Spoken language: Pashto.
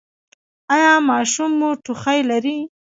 ایا ماشوم مو ټوخی لري؟